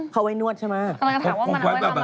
เข้าไว้นวดใช่ไหม